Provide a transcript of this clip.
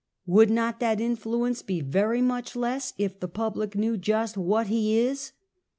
" "Would not that influence be very much less if the public knew just what he is?